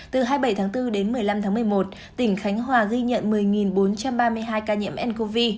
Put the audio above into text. từ hai mươi bảy tháng bốn đến một mươi năm tháng một mươi một tỉnh khánh hòa ghi nhận một mươi bốn trăm ba mươi hai ca nhiễm ncov